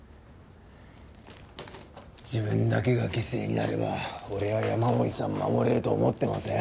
自分だけが犠牲になれば俺や山守さん守れると思ってません？